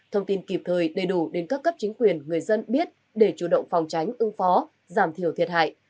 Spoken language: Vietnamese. thông tin kịp thời đầy đủ đến các cấp chính quyền người dân biết để chủ động phòng tránh ưng phó giảm thiểu thiệt hại